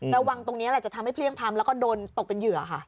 ระวังตรงนี้แหละจะทำให้เพลี่ยงพร้ำแล้วก็โดนตกเป็นเหยื่อค่ะ